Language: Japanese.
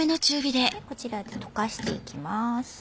こちら溶かしていきます。